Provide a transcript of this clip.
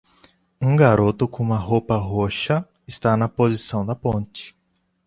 Um garoto com uma roupa roxa está na posição da ponte.